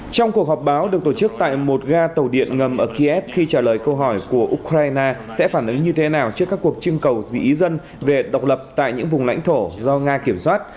trong cuộc họp báo được tổ chức tại một ga tàu điện ngầm ở kiev khi trả lời câu hỏi của ukraine sẽ phản ứng như thế nào trước các cuộc trưng cầu dĩ dân về độc lập tại những vùng lãnh thổ do nga kiểm soát